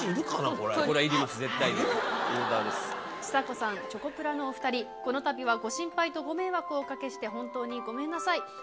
ちさ子さん、チョコプラのお２人、このたびはご心配とご迷惑をおかけして本当にごめんなさい。